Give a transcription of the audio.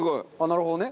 なるほどね。